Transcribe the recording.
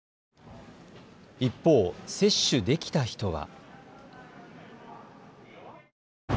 一方、接種できた人は。